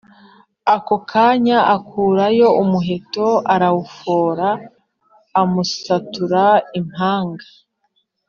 akokanya akurayo umuheto arafora amusatura impanga